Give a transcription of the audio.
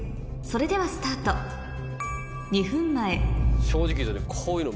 それではスタート２分前正直。